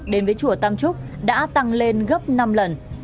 đến với chùa tam trúc đã tăng lên gấp năm lần